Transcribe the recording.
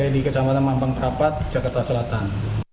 di kecamatan mampang perapat jakarta selatan